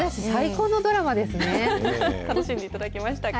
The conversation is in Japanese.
楽しんでいただけましたか。